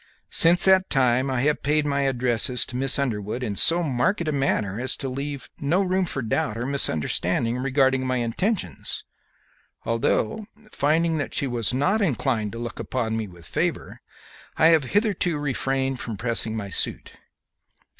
Since that time I have paid my addresses to Miss Underwood in so marked a manner as to leave her no room for doubt or misunderstanding regarding my intentions, although, finding that she was not inclined to look upon me with favor, I have hitherto refrained from pressing my suit.